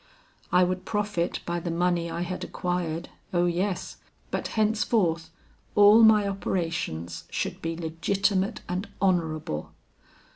I would profit by the money I had acquired, oh yes, but henceforth all my operations should be legitimate and honorable.